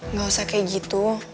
nggak usah kayak gitu